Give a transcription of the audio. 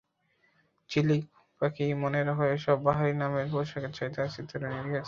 ঝিলিক, পাখি, মনে রেেখা এসব বাহারি নামের পোশাকের চাহিদা আছে তরুণীদের কাছে।